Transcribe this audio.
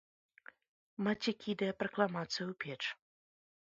Маці кідае пракламацыі ў печ.